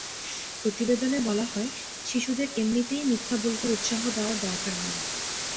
প্রতিবেদনে বলা হয়, শিশুদের এমনিতেই মিথ্যা বলতে উৎসাহ দেওয়ার দরকার নেই।